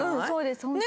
そうです。